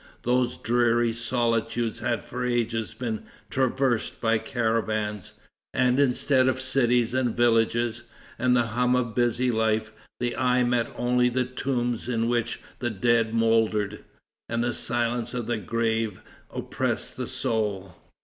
Those dreary solitudes had for ages been traversed by caravans, and instead of cities and villages, and the hum of busy life, the eye met only the tombs in which the dead mouldered; and the silence of the grave oppressed the soul.